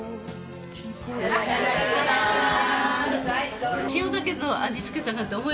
いただきます。